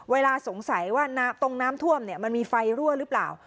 เวลาสงสัยว่าตรงน้ำท่วมมันมีไฟรั่วหรือเปล่า